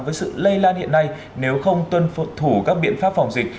với sự lây lan hiện nay nếu không tuân thủ các biện pháp phòng dịch